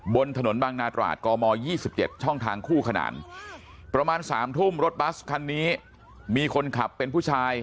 บนถนนบางนาตราดกม๒๗ช่องทางคู่ขนานประมาณ๓ทุ่มรถบัสคันนี้มีคนขับเป็นผู้ชาย